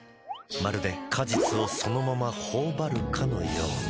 まるで果実をそのままほおばるかのような・・・